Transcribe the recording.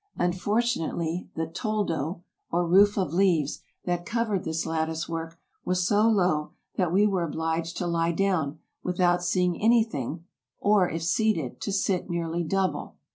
Unfortu nately, the toldo, or roof of leaves, that covered this lattice work, was so low that we were obliged to lie down, without seeing anything, or, if seated, to sit nearly double.